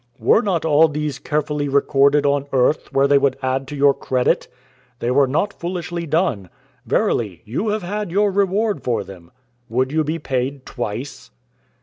"Were not all these carefully recorded on earth where they would add to your credit? They were not foolishly done. Verily, you have had your reward for them. Would you be paid twice?"